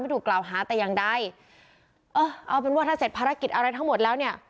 ถูกกล่าวหาแต่อย่างใดเออเอาเป็นว่าถ้าเสร็จภารกิจอะไรทั้งหมดแล้วเนี่ย